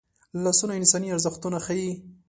لاسونه انساني ارزښتونه ښيي